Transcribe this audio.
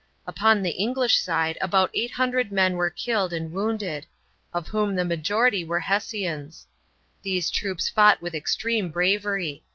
Upon the English side about 800 men were killed and wounded, of whom the majority were Hessians. These troops fought with extreme bravery.